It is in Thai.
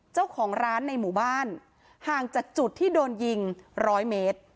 เจ้าของร้านในหมู่บ้านห่างจากจุดที่โดนยิงร้อยเมตร